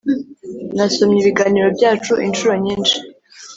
nasomye ibiganiro byacu inshuro nyinshi.